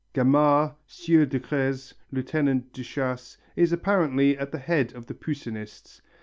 Gamarre, Sieur de Creze, lieutenant des chasses, is apparently at the head of the Poussinists.